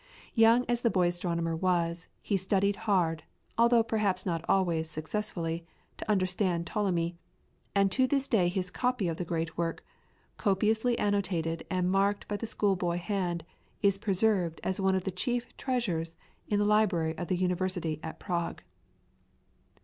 Young as the boy astronomer was, he studied hard, although perhaps not always successfully, to understand Ptolemy, and to this day his copy of the great work, copiously annotated and marked by the schoolboy hand, is preserved as one of the chief treasures in the library of the University at Prague.